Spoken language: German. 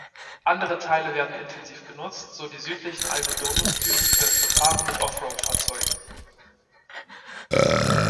Andere Teile werden intensiv genutzt, so die südlichen Algodones-Dünen für das Befahren mit Off-Road-Fahrzeugen.